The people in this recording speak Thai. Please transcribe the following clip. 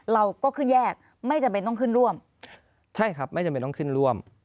เราก็ขึ้นแยกไม่จำเป็นต้องขึ้นร่วม